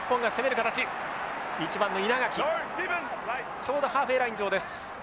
ちょうどハーフウェイライン上です。